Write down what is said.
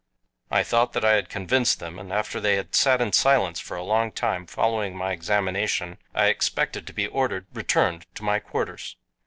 I thought that I had convinced them, and after they had sat in silence for a long time following my examination, I expected to be ordered returned to my quarters.